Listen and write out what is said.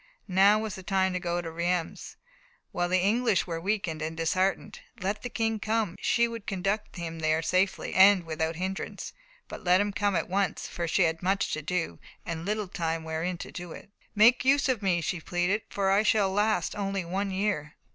Now was the time to go to Reims, while the English were weakened and disheartened. Let the King come she would conduct him there safely and without hindrance but let him come at once, for she had much to do, and little time wherein to do it. "Make use of me," she pleaded, "for I shall last only one year."